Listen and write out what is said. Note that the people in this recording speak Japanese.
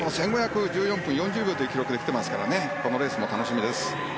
１５００ｍを１８分４０秒という記録で来ていますからこのレースも楽しみです。